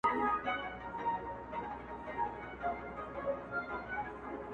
o زما د تصور لاس در غځيږي گرانـي تــــاته.